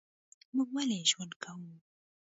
موږ ولي ژوند کوو؟